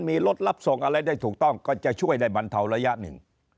มีรถรับส่งอะไรได้ถูกต้องก็จะช่วยได้บรรเทาระยะหนึ่ง